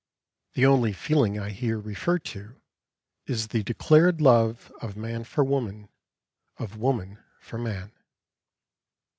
The only feeling I here refer to is the declared love of man for woman, of woman for man.